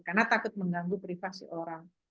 karena takut mengganggu privasi orang